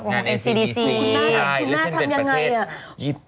คุณแม่ทำยังไง